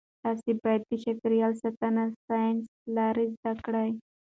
تاسي باید د چاپیریال ساتنې ساینسي لارې زده کړئ.